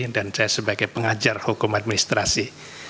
dan saya sebagai pengajar hukum administrasi